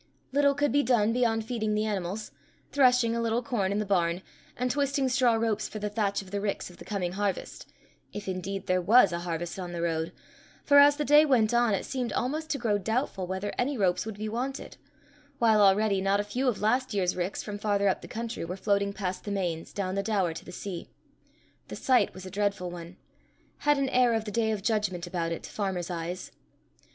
Little could be done beyond feeding the animals, threshing a little corn in the barn, and twisting straw ropes for the thatch of the ricks of the coming harvest if indeed there was a harvest on the road, for, as the day went on, it seemed almost to grow doubtful whether any ropes would be wanted; while already not a few of last year's ricks, from farther up the country, were floating past the Mains, down the Daur to the sea. The sight was a dreadful one had an air of the day of judgment about it to farmers' eyes.